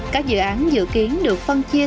các dự án dự kiến được phân chia